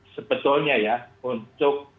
sebetulnya ya untuk